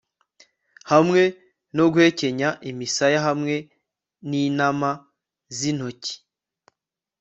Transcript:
Hamwe no guhekenya imisaya hamwe ninama zintoki